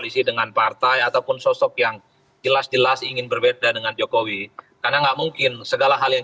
diisi dengan partai ataupun sosok yang jelas jelas ingin berbeda dengan jokowi karena nggak mungkin segala hal yang